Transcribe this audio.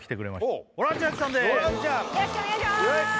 よろしくお願いします